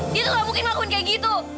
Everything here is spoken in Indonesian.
dia tuh gak mungkin ngakuin kayak gitu